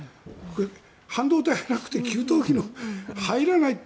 半導体、なくて給湯器も入らないって